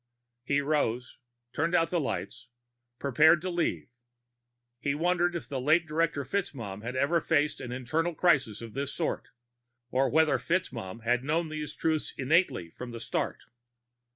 _ He rose, turned out the light, prepared to leave. He wondered if the late Director FitzMaugham had ever faced an internal crisis of this sort, or whether FitzMaugham had known these truths innately from the start.